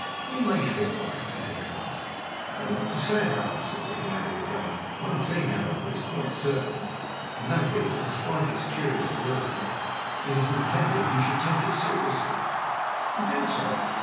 "What do you make of it?" my companion asked. "I don't know what to say," I answered, looking at it again. "One thing, however, is quite certain, and that is that, despite its curious wording, it is intended you should take it seriously." "You think so?"